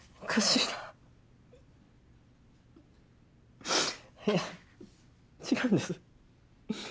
いや違うんです。